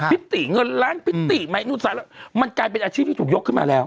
พิติเงินล้านพิติไหมนู่นสารมันกลายเป็นอาชีพที่ถูกยกขึ้นมาแล้ว